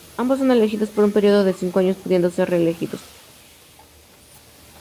Ambos son elegidos por un periodo de cinco años, pudiendo ser reelegidos.